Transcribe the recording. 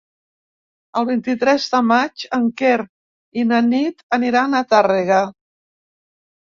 El vint-i-tres de maig en Quer i na Nit aniran a Tàrrega.